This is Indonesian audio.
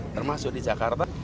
termasuk di jakarta